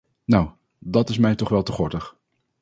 Nou, dat is mij toch wel te gortig!